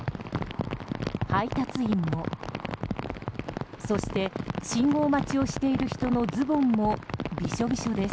配達員もそして、信号待ちをしている人のズボンもびしょびしょです。